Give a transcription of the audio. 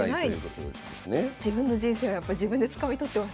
自分の人生をやっぱ自分でつかみ取ってますね。